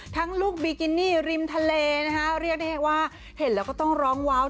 ลูกบิกินี่ริมทะเลนะคะเรียกได้ว่าเห็นแล้วก็ต้องร้องว้าว